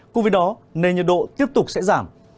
cùng với đó nền nhiệt độ tiếp tục sẽ giảm